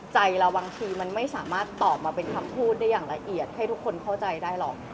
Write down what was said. ใจเราบางทีมันไม่สามารถตอบมาเป็นคำพูดได้อย่างละเอียดให้ทุกคนเข้าใจได้หรอก